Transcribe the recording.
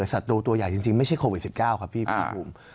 สัตว์ตัวใหญ่จริงไม่ใช่โควิด๑๙ครับพี่ภาคภูมิ